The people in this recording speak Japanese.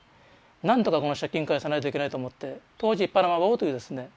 なんとかこの借金返さないといけないと思って当時パナマ帽というですね